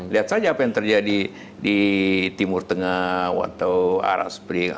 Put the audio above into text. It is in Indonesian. lihat saja apa yang terjadi di timur tengah atau arab spring